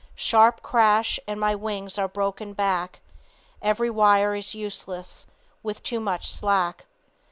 Sharp crash, and my wings are broken back; Every wire is useless with too much slack.